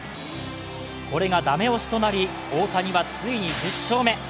これが駄目押しとなり、大谷はついに１０勝目。